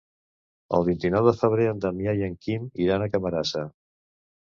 El vint-i-nou de febrer en Damià i en Quim iran a Camarasa.